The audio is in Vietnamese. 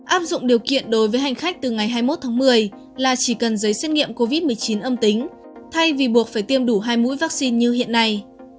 áp dụng điều kiện đối với hành khách từ ngày hai mươi một tháng một mươi là chỉ cần giấy xét nghiệm covid một mươi chín âm tính thay vì buộc phải tiêm đủ hai mũi vaccine như hiện nay